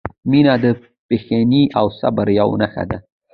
• مینه د بښنې او صبر یوه نښه ده.